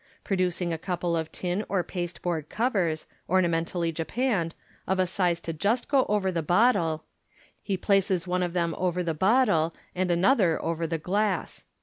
Producing a couple of tin or pasteboard covers, ornamentally japanned, of a size to just go over the bottle, he places one of them over the bottle, and another over the glass.